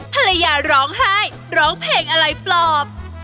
ภรรยาร้องไห้ร้องเพลงอะไรปลอบ